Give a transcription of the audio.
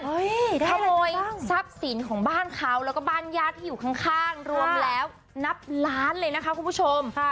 ขโมยทรัพย์สินของบ้านเขาแล้วก็บ้านญาติที่อยู่ข้างรวมแล้วนับล้านเลยนะคะคุณผู้ชม